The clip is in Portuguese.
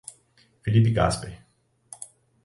Felipe Gasper